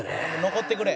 「残ってくれ！」